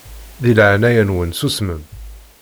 Di leɛnaya-nwen susmem.